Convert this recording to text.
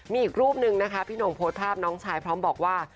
มีอีกรูปนึงนะคะพี่หน่งโพสต์ภาพน้องชายพร้อมบอกว่า